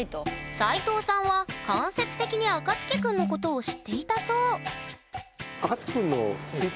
斎藤さんは間接的にあかつき君のことを知っていたそう。